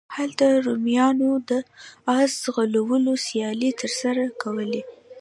هلته رومیانو د اس ځغلولو سیالۍ ترسره کولې.